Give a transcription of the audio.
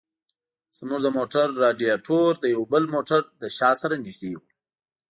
زموږ د موټر رادیاټور د یو بل موټر له شا سره نږدې و.